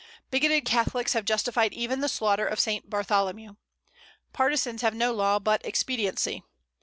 Bigoted Catholics have justified even the slaughter of St. Bartholomew. Partisans have no law but expediency.